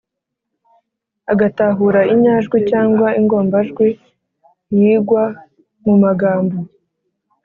agatahura inyajwi cyangwa ingombajwi yigwa mu magambo